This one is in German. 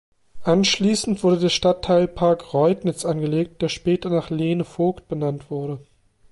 Anschließend wurde der Stadtteilpark Reudnitz angelegt, der später nach Lene Voigt benannt wurde.